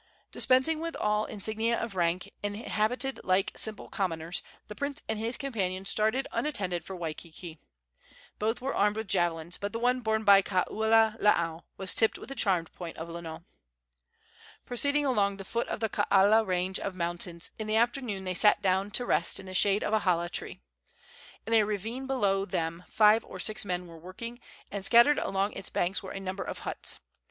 Dispensing with all insignia of rank, and habited like simple commoners, the prince and his companion started unattended for Waikiki. Both were armed with javelins, but the one borne by Kaululaau was tipped with the charmed point of Lono. Proceeding along the foot of the Kaala range of mountains, in the afternoon they sat down to rest in the shade of a hala tree. In a ravine below them five or six men were working, and scattered along its banks were a number of huts.